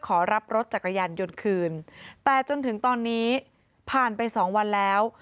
ขอรับรถจักรยานยนต์คืนแต่จนถึงตอนนี้ผ่านไปสองวันแล้ว